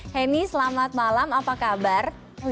hemi selamat malam apa kabar